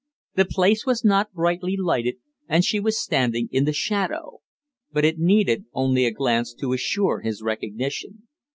The place was not brightly lighted, and she was standing in the shadow; but it needed only a glance to assure his recognition.